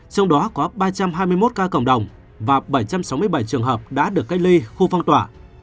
trong đó có ba trăm hai mươi một ca cộng đồng và bảy trăm sáu mươi bảy trường hợp đã được cách ly khu phong tỏa